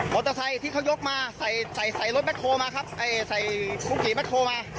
โรตไซค์ที่เขายกมาใส่ใส่ใส่รถมาครับไอ้ใส่มา